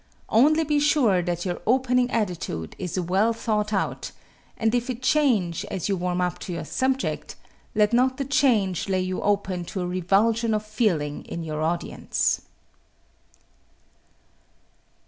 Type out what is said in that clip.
Only be sure that your opening attitude is well thought out, and if it change as you warm up to your subject, let not the change lay you open to a revulsion of feeling in your audience.